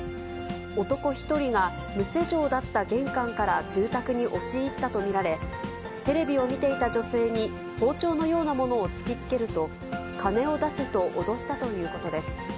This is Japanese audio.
男１人が無施錠だった玄関から住宅に押し入ったと見られ、テレビを見ていた女性に包丁のようなものを突きつけると、金を出せと脅したということです。